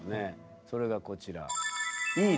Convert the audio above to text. それがこちら。